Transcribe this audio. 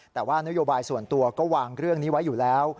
แต่ว่านโยบายส่วนตัวก็วางเรื่องนี้ไว้อยู่แล้ว